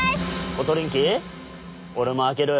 コトリンキー俺も開ける。